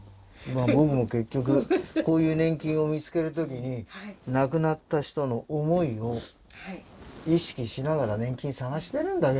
僕も結局こういう年金を見つける時に亡くなった人の思いを意識しながら年金探してるんだけどね。